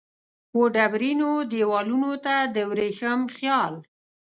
وډبرینو دیوالونو ته د وریښم خیال